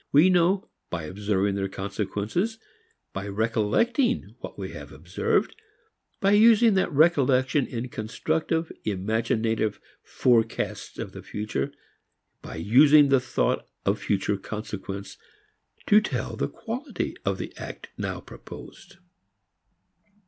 We know by observing their consequences, by recollecting what we have observed, by using that recollection in constructive imaginative forecasts of the future, by using the thought of future consequence to tell the quality of the act now proposed.